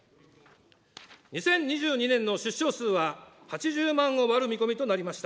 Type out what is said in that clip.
２０２２年の出生数は８０万を割る見込みとなりました。